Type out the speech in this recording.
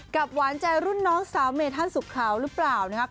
กับหวานใจน้องสาวเมธันสุขาวรึเปล่า